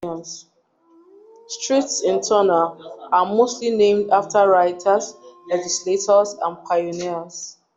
Streets in Turner are mostly named after writers, legislators and pioneers.